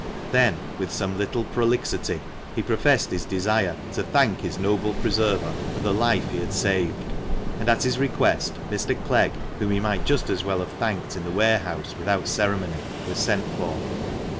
Then, with some little prolixity, he professed his desire to "thank his noble preserver" for the life he had saved ; and at his request Mr. Clegg (whom he might just as well have thanked in the warehouse without ceremony) was sent for.